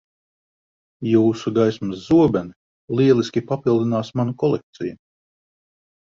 Jūsu gaismas zobeni lieliski papildinās manu kolekciju.